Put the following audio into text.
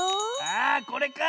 あこれか！